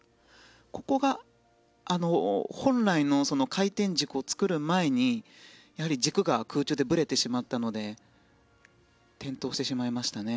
ここが本来の回転軸を作る前に軸が空中でぶれてしまったので転倒してしまいましたね。